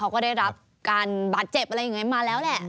เขาก็ได้รับการบาดเจ็บอะไรอย่างนี้มาแล้วแหละ